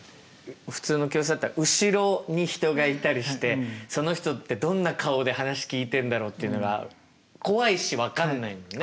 普通の教室だったら後ろに人がいたりしてその人ってどんな顔で話聞いてんだろうっていうのが怖いし分かんないもんね。